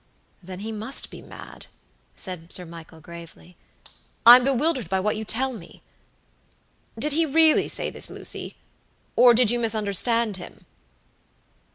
"Then he must be mad," said Sir Michael, gravely. "I'm bewildered by what you tell me. Did he really say this, Lucy, or did you misunderstand him?"